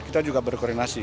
kita juga berkorinasi